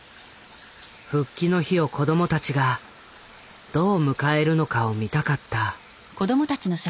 復帰の日を子どもたちがどう迎えるのかを見たかった。